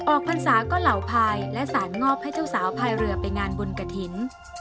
พรรษาก็เหล่าพายและสารมอบให้เจ้าสาวพายเรือไปงานบนกระถิ่น